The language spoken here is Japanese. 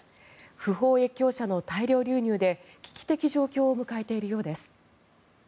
不法越境者の大量流入で危機的状況を迎えているようです。